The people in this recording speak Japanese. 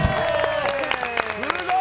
すごい！！